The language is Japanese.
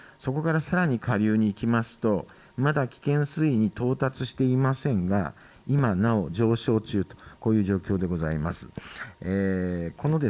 そこからさらに下流にいきますとまだ危険水位に到達していませんが今なお上昇中とこういう状況でございます。